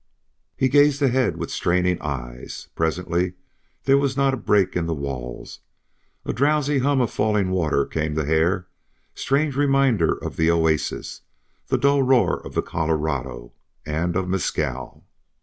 He gazed ahead with straining eyes. Presently there was not a break in the walls. A drowsy hum of falling water came to Hare, strange reminder of the oasis, the dull roar of the Colorado, and of Mescal.